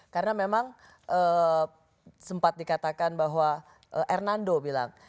karena memang sempat dikatakan bahwa hernando bilang